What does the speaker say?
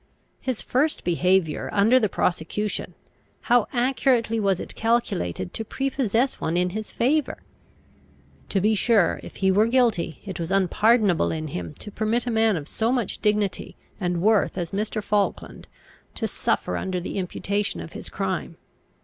His first behaviour under the prosecution, how accurately was it calculated to prepossess one in his favour! To be sure, if he were guilty, it was unpardonable in him to permit a man of so much dignity and worth as Mr. Falkland to suffer under the imputation of his crime!